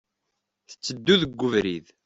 Tetteddu deg ubrid.